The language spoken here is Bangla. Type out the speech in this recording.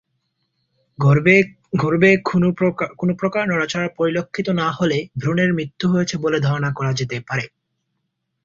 গর্ভে কোনো প্রকার নড়াচড়া পরিলক্ষিত না হলে ভ্রূণের মৃত্যু হয়েছে বলে ধারণা করা যেতে পারে।